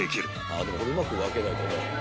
「ああでもこれうまく分けないとね」